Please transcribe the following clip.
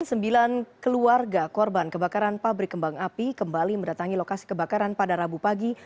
sembilan keluarga korban kebakaran pabrik kembang api kembali mendatangi lokasi kebakaran pada rabu pagi